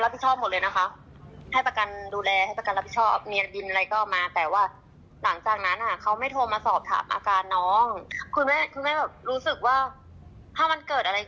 ไปเรียนต่างถังหวัดแล้วถ้าเขาเป็นอะไรอีกคน